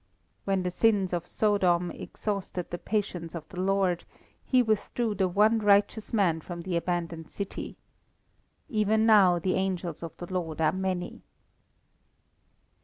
When the sins of Sodom exhausted the patience of the Lord, He withdrew the one righteous man from the abandoned city. Even now the angels of the Lord are many.